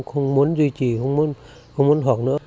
không muốn duy trì không muốn học nữa